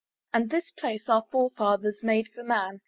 And this place our forefathers made for man!